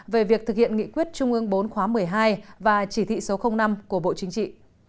về việc thực hiện nghị quyết trung ương bốn khóa một mươi hai và chỉ thị số năm của bộ chính trị